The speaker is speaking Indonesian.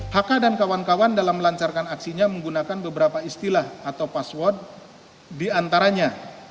hk dan kawan kawan dalam melancarkan aksinya menggunakan beberapa istilah atau password diantaranya